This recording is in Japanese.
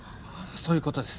そういうことです